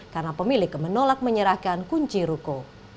karena pemilik menolak menyerahkan kunci ruko